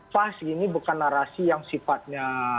pas ini bukan narasi yang sifatnya